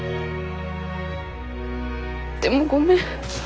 でもごめん。